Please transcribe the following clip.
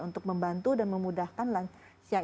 untuk membantu dan memudahkan lansia